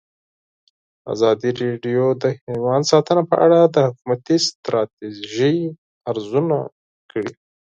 ازادي راډیو د حیوان ساتنه په اړه د حکومتي ستراتیژۍ ارزونه کړې.